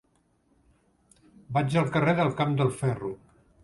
Vaig al carrer del Camp del Ferro.